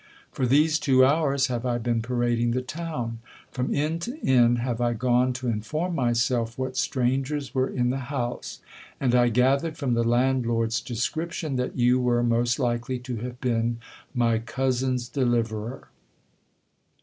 For these two hours have I been parading the town. From inn to inn have I gone to inform myself what strangers were in the house ; and I gathered from the landlord's description that you were most likely to have been my cousin's deliverer.